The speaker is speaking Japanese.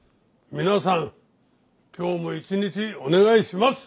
皆さん今日も一日お願いします！